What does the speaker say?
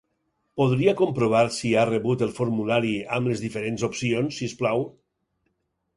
Podria comprovar si ha rebut el formulari amb les diferents opcions, si us plau?